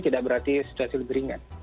tidak berarti situasi lebih ringan